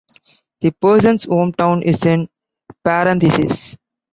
The person's hometown is in parentheses.